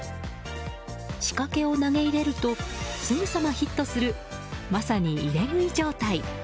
仕掛けを投げ入れるとすぐさまヒットするまさに入れ食い状態。